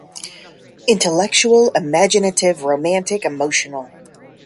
Intellectual, imaginative, romantic, emotional.